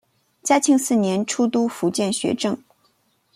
嘉庆四年出督福建学政。